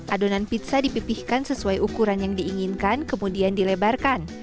adonan pizza dipipihkan sesuai ukuran yang diinginkan kemudian dilebarkan